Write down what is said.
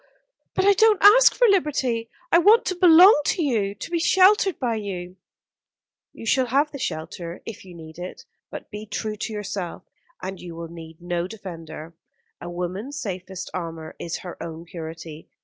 But I don't ask for liberty. I want to belong to you, to be sheltered by you." "You shall have the shelter, if you need it; but be true to yourself, and you will need no defender. A woman's safest armour is her own purity.